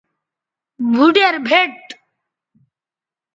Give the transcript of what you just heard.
بھوڈیر بھئٹ تھو